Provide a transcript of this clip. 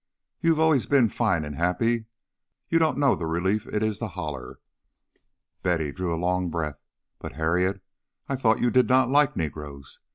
You've always been fine and happy, you don't know the relief it is to holler." Betty drew a long breath. "But, Harriet, I thought you did not like negroes.